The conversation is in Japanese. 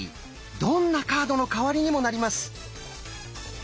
どんなカードの代わりにもなります。